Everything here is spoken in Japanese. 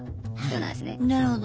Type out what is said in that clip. なるほど。